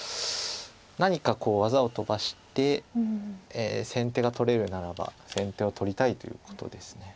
何か技を飛ばして先手が取れるならば先手を取りたいということです。